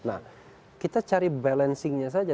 nah kita cari balancingnya saja